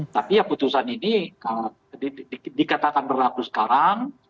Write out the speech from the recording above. tapi ya putusan ini dikatakan berlaku sekarang